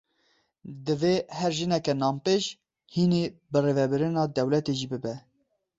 Divê her jineke nanpêj, hînî birêvebirina dewletê jî bibe.